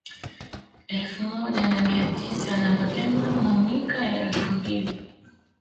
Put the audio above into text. Elfu moja na mia tisa na mapema mwa mika ya elfu mbili